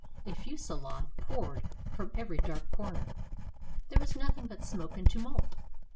A fusillade poured from every dark corner. There was nothing but smoke and tumult.